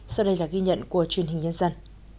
sau đây là ghi nhận của truyền hình nhân dân